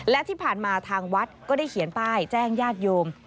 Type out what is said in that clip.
และที่ผ่านมาทางวัดก็ได้เขียนป้ายแจ้งญาติโยม